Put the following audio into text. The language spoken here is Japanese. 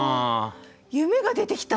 夢が出てきた。